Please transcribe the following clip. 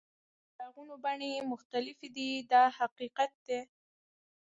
د څراغونو بڼې مختلفې دي دا حقیقت دی.